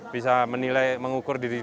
bisa menilai mengukur